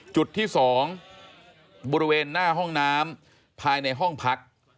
จุดที่๒บริเวณหน้าห้องน้ำภายในห้องพัก